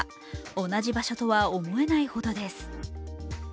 同じ場所とは思えないほどです。